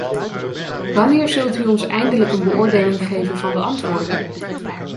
Wanneer zult u ons eindelijk een beoordeling geven van de antwoorden?